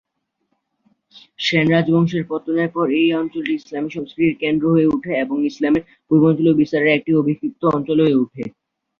সেন রাজবংশের পতনের পর এই অঞ্চলটি ইসলামী সংস্কৃতির কেন্দ্র হয়ে ওঠে এবং ইসলামের পূর্বাঞ্চলীয় বিস্তারের একটি অভিক্ষিপ্ত অঞ্চল হয়ে ওঠে।